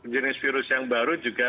jenis virus yang baru juga